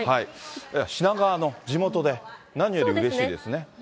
品川の、地元で、何よりうれしいですね。